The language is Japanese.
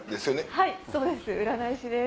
はいそうです。